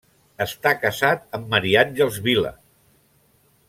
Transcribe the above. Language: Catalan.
Està casat amb Maria Àngels Vila.